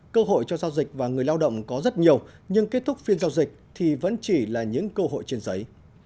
cơ hội cho giao dịch và người lao động có rất nhiều nhưng kết thúc phiên giao dịch thì vẫn chỉ là những cơ hội trên giấy